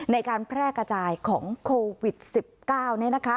ในการแพร่กระจายของโควิด๑๙นี่นะคะ